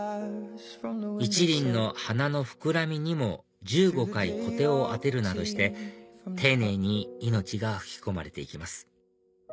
一輪の花の膨らみにも１５回コテを当てるなどして丁寧に命が吹き込まれて行きます